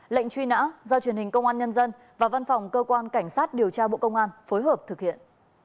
lệnh truy nã do truyền hình công an nhân dân và văn phòng cơ quan cảnh sát điều tra bộ công an phối hợp thực hiện